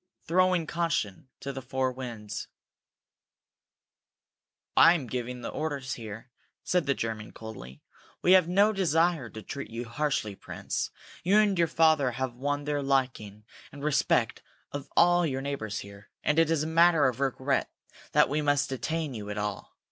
throwing caution to the four winds. "I am giving the orders here," said the German, coldly. "We have no desire to treat you harshly, Prince. You and your father have won the liking and respect of all your neighbors here, and it is a matter of regret that we must detain you at all.